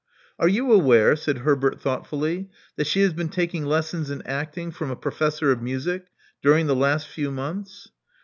Are you aware," said Herbert thoughtfully, that she has been taking lessons in acting from a professor of music during the last few months?"